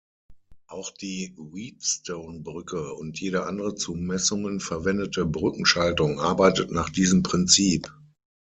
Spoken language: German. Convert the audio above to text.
Auch die Wheatstone-Brücke und jede andere zu Messungen verwendete Brückenschaltung arbeitet nach diesem Prinzip.